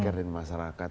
care dengan masyarakat